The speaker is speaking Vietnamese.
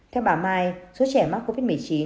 theo bà mai số trẻ mắc covid một mươi chín